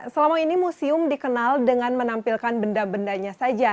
selama ini museum dikenal dengan menampilkan benda bendanya saja